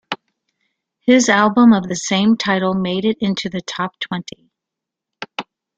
His album of the same title made it into the Top Twenty.